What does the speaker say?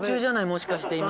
もしかして今。